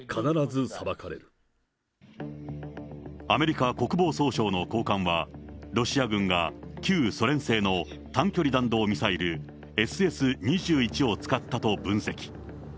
アメリカ国防総省の高官は、ロシア軍が旧ソ連製の短距離弾道ミサイルＳＳ２１を使ったと分析。